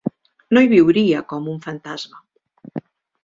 No hi viuria com un fantasma.